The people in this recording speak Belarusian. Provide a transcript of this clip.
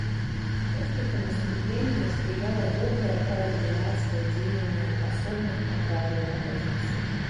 Поспеху наступлення спрыяла добрая каардынацыя дзеянняў асобных атрадаў апазіцыі.